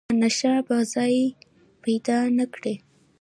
زمانشاه به ځای پیدا نه کړي.